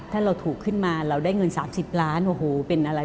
ถ้าเราถูกขึ้นมาเราได้เงิน๓๐ล้านโอ้โหเป็นอะไร